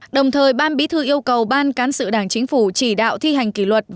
đồng thời ban bí thư yêu cầu ban cán sự đảng chính phủ chỉ đạo thi hành kỷ luật